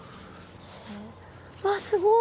わっすごい。